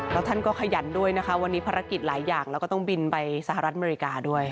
แล้วท่านก็ขยันด้วยนะคะวันนี้ภารกิจหลายอย่างแล้วก็ต้องบินไปสหรัฐอเมริกาด้วย